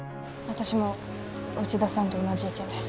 私も内田さんと同じ意見です。